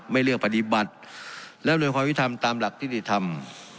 ไม่เลือกปฏิบัติและบริหรือความวิธรรมตามหลักที่ติดทำ